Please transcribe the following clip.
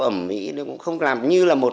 ở mỹ nó cũng không làm như là một